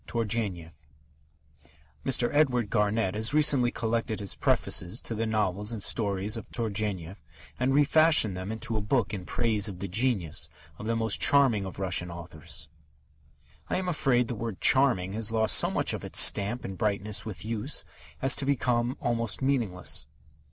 XII TURGENEV Mr. Edward Garnett has recently collected his prefaces to the novels and stories of Turgenev, and refashioned them into a book in praise of the genius of the most charming of Russian authors. I am afraid the word "charming" has lost so much of its stamp and brightness with use as to have become almost meaningless.